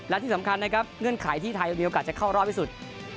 และที่สำคัญนะครับเงื่อนไขที่ไทยมีโอกาสจะเข้ารอบที่สุด